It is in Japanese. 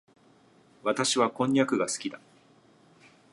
私はこんにゃくが好きだ。